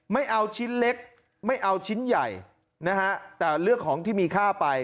ไม่เอาชิ้นเล็กไม่เอาชิ้นใหญ่นะฮะแต่เลือกของที่มีค่าไป